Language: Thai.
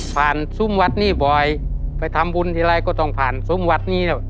ซุ้มวัดนี้บ่อยไปทำบุญทีไรก็ต้องผ่านซุ้มวัดนี้แล้ว